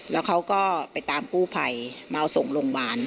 แล้วเขาก็ไปตามกู้ภัยมาเอาส่งโรงพยาบาล